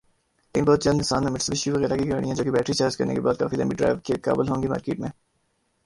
لیکن بہت جلد نسان اور میٹسوبشی وغیرہ کی گاڑیاں جو کہ بیٹری چارج کرنے کے بعد کافی لمبی ڈرائیو کے قابل ہوں گی مارکیٹ میں